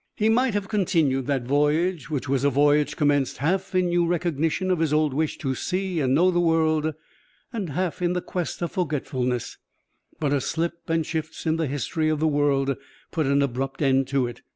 He might have continued that voyage, which was a voyage commenced half in new recognition of his old wish to see and know the world and half in the quest of forgetfulness; but a slip and shifts in the history of the world put an abrupt end to it.